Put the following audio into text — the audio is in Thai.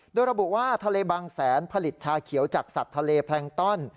โดยระบุว่าทะเลบางแสนผลิตชาเขียวจากสัตว์ทะเลแพลงต้อน